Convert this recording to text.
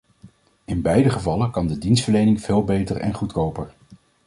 In beide gevallen kan de dienstverlening veel beter en goedkoper.